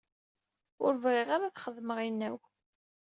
Ur bɣiɣ ara ad d-xedmeɣ inaw.